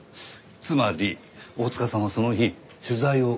つまり大塚さんはその日取材を受けていない？